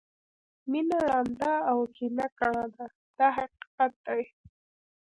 مینه ړانده او کینه کڼه ده دا حقیقت دی.